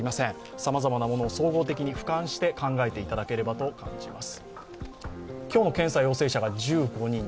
さまざまなものを総合的に俯瞰して考えていただければと思います。